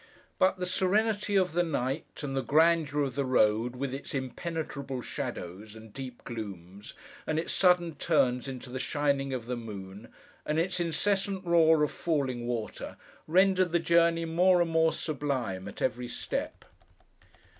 But, the serenity of the night, and the grandeur of the road, with its impenetrable shadows, and deep glooms, and its sudden turns into the shining of the moon and its incessant roar of falling water, rendered the journey more and more sublime at every step.